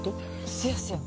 せやせや。